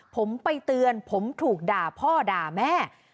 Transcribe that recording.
ผมไปเตือนผมถูกด่าพ่อด่าแม่